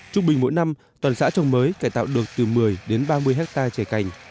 trung bình mỗi năm toàn xã trồng mới cải tạo được từ một mươi đến ba mươi hectare trẻ cành